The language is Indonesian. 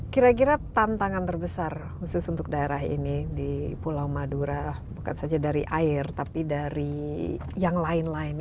kira kira tantangan terbesar khusus untuk daerah ini di pulau madura bukan saja dari air tapi dari yang lain lain